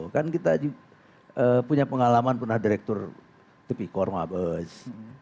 kan kita punya pengalaman pernah direktur tepi korma bes